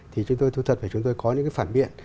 thì chúng tôi thu thật phải chúng tôi có những cái phản biện